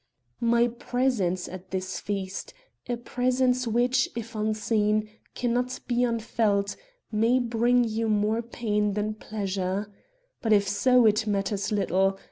"My presence at this feast a presence which, if unseen, can not be unfelt, may bring you more pain than pleasure. But if so, it matters little.